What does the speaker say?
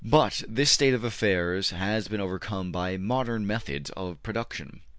But this state of affairs has been overcome by modern methods of production.